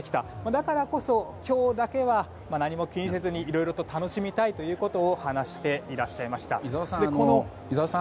だからこそ今日だけは、何も気にせずにいろいろと楽しみたいと話していらっしゃいました。